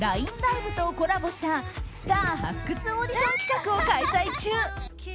ＬＩＮＥＬＩＶＥとコラボしたスター発掘オーディション企画を開催中。